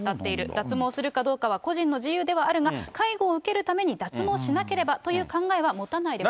脱毛するかどうかは個人の自由ではあるが、介護を受けるために脱毛しなければという考えは持たないでほしい。